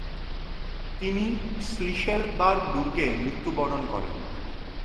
তিনি শ্লিসেলবার্গ দুর্গে মৃত্যুবরণ করেন।